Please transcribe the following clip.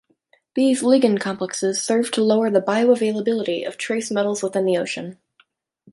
These ligand complexes serve to lower the bioavailability of trace metals within the ocean.